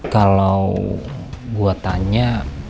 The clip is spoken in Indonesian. kalau gua tanya